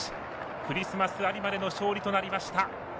クリスマス有馬での勝利となりました。